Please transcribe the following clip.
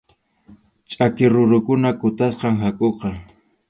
Ch’aki rurukuna kutasqam hakʼuqa.